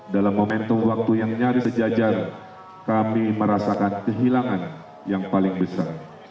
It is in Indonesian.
dalam momentum waktu yang nyaris sejajar kami merasakan kehilangan yang paling besar